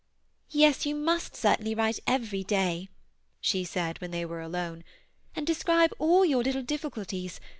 " Yes, you must certainly write every day,'* she said, when they were alone, ^' and describe all your little dif ficulties.